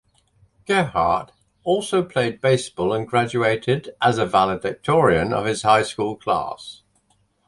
Gerhart also played baseball and graduated as a valedictorian of his high school class.